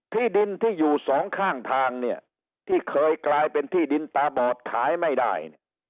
ที่ดินที่อยู่สองข้างทางเนี่ยที่เคยกลายเป็นที่ดินตาบอดขายไม่ได้เนี่ย